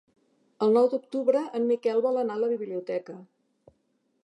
El nou d'octubre en Miquel vol anar a la biblioteca.